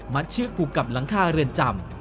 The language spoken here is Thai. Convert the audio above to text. เชือกผูกกับหลังคาเรือนจำ